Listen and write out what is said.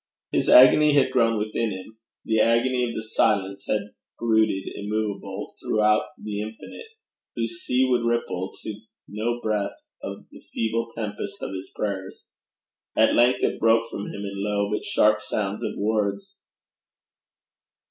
His agony had grown within him the agony of the silence that brooded immovable throughout the infinite, whose sea would ripple to no breath of the feeble tempest of his prayers. At length it broke from him in low but sharp sounds of words.